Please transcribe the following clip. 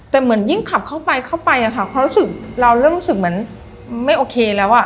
แต่เหมือนยิ่งขับเข้าไปเข้าไปอะค่ะความรู้สึกเราเริ่มรู้สึกเหมือนไม่โอเคแล้วอ่ะ